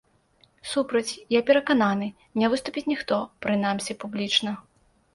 Супраць, я перакананы, не выступіць ніхто, прынамсі, публічна.